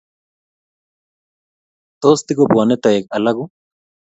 Tos, tigobwane toek alagu?